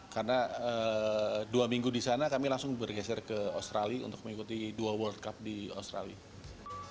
karena dua minggu di sana kami langsung bergeser ke australia untuk mengikuti dua world cup di australia